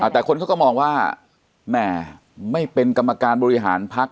แต่คนเขาก็มองว่าแหมไม่เป็นกรรมการบริหารพัก